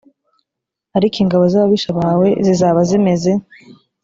ariko ingabo z ababisha bawe zizaba zimeze